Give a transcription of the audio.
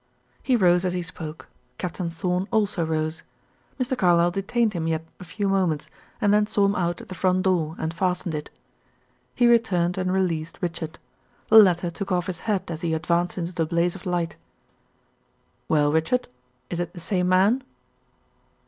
He rose as he spoke; Captain Thorn also rose. Mr. Carlyle detained him yet a few moments, and then saw him out at the front door and fastened it. He returned and released Richard. The latter took off his hat as he advanced into the blaze of light. "Well, Richard, is it the same man?"